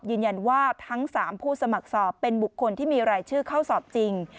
ยืนยันว่าทั้ง๓ผู้สมัครสอบเป็นบุคคลที่มีรายชื่อเข้าสอบจริง